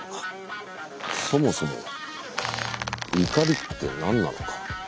そもそも怒りって何なのか。